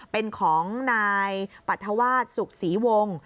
เป็นของนายปรัฐวาสสุขศรีวงศ์